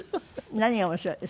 何が面白いですか？